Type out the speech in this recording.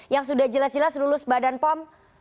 yang sudah jelas jelas lulus badan pom